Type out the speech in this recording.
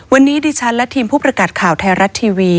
วันนี้ดิฉันและทีมผู้ประกาศข่าวไทยรัฐทีวี